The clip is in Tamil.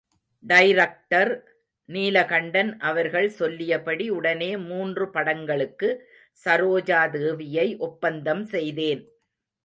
டைரக்டர் நீலகண்டன் அவர்கள் சொல்லியபடி உடனே மூன்று படங்களுக்கு சரோஜாதேவியை ஒப்பந்தம் செய்தேன்.